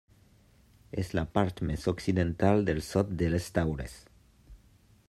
És la part més occidental del Sot de les Taules.